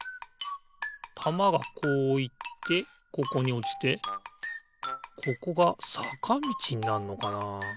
たまがこういってここにおちてここがさかみちになんのかな？